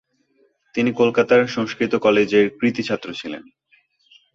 তিনি কলকাতার সংস্কৃত কলেজের কৃতী ছাত্র ছিলেন।